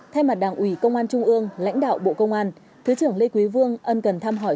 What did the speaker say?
thay mặt đảng ủy công an trung ương lãnh đạo bộ công an thứ trưởng lê quý vương ân cần thăm hỏi